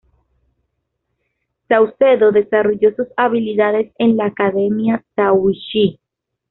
Saucedo desarrolló sus habilidades en la Academia "Tahuichi".